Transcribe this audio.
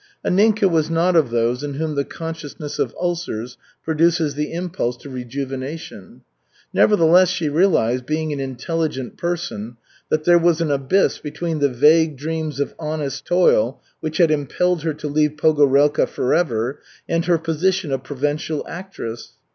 Anninka was not of those in whom the consciousness of ulcers produces the impulse to rejuvenation. Nevertheless, she realized, being an intelligent person, that there was an abyss between the vague dreams of honest toil which had impelled her to leave Pogorelka forever and her position of provincial actress.